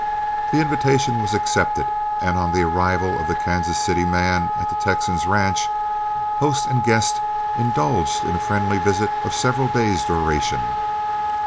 The invitation was accepted, and on the arrival of the Kansas City man at the Texan's ranch, host and guest indulged in a friendly visit of several days' duration.